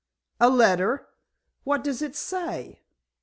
"A letter? What does it say?"